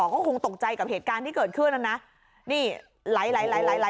ก็คงตกใจกับเหตุการณ์ที่เกิดขึ้นนะนะนี่หลายหลายหลาย